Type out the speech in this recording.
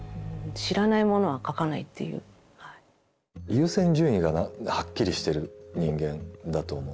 優先順位がはっきりしてる人間だと思う。